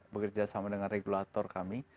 bekerja sama dengan regulator kami